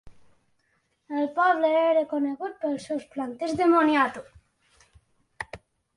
El poble era conegut pels seus planters de moniato.